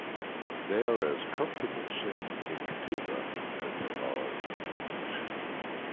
They are as comfortable singing in Kituba, as they are in English.